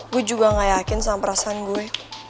gue juga gak yakin sama perasaan gue